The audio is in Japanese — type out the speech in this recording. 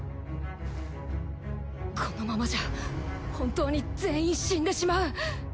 このままじゃ本当に全員死んでしまう。